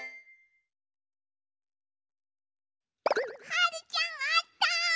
はるちゃんあった！